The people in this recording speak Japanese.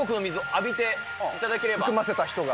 含ませた人が。